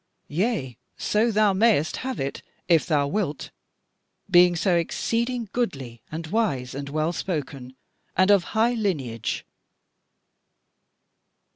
Yea, so thou mayst have it if thou wilt, being so exceeding goodly, and wise, and well spoken, and of high lineage."